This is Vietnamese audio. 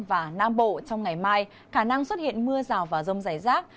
và nam bộ trong ngày mai khả năng xuất hiện mưa rào và rông rải rác